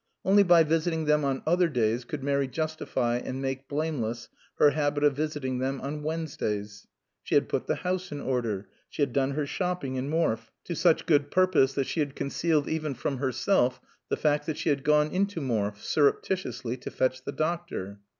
(Only by visiting them on other days could Mary justify and make blameless her habit of visiting them on Wednesdays.) She had put the house in order. She had done her shopping in Morfe to such good purpose that she had concealed even from herself the fact that she had gone into Morfe, surreptitiously, to fetch the doctor.